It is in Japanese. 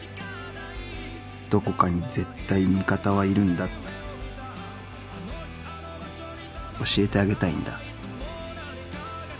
どこかに絶対味方はいるんだって教えてあげたいんだ。